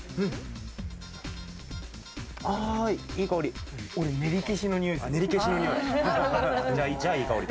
いい香り。